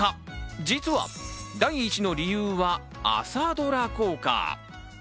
実は、第１の理由は朝ドラ効果。